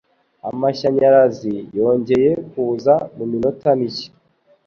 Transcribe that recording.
Amashanyarazi yongeye kuza muminota mike.